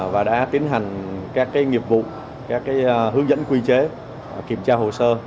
và đã tiến hành các cái nghiệp vụ các cái hướng dẫn quy chế kiểm tra hồ sơ